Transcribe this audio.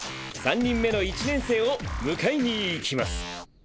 ３人目の一年生を迎えに行きます。